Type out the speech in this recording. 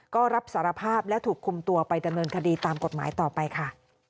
ก็รับสารภาพและถูกคุมตัวไปดำเนินคดีตามกฎหมายต่อไปค่ะ